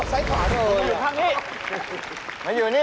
ตรงไซน์ขวางนอกเลยหรือเปล่าบ๊วยก็อยู่ข้างนี้